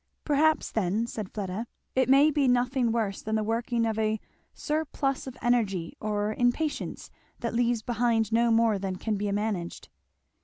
"Perhaps then," said Fleda, "it may be nothing worse than the working off of a surplus of energy or impatience, that leaves behind no more than can be managed."